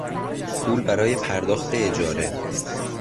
پول برای پرداخت اجاره